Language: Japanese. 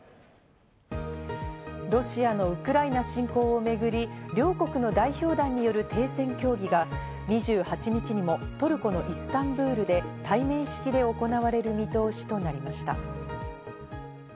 ロシアのウクライナ侵攻をめぐり、両国の代表団による停戦協議が２８日にもトルコのイスタンブールで対面式で行われる見通しとなりました。